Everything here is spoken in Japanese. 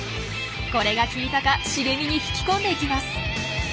これが効いたか茂みに引き込んでいきます。